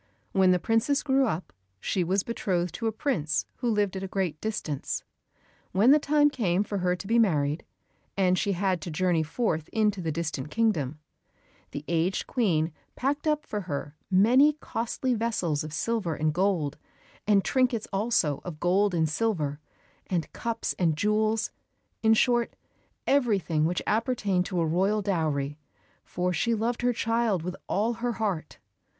When the princess grew up she was betrothed to a prince who lived at a great distance. When the time came for her to be married, and she had to journey forth into the distant kingdom, the aged Queen packed up for her many costly vessels of silver and gold, and trinkets also of gold and silver; and cups and jewels, in short, everything which appertained to a royal dowry, for she loved her child with all her heart.